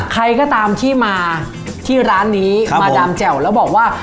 ใครก็ตามที่มาที่ร้านนี้มาดามแจ่วแล้วบอกว่า